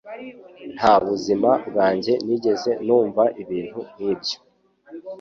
Nta buzima bwanjye nigeze numva ibintu nk'ibyo